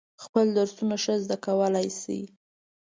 خپل درسونه ښه زده کولای شي.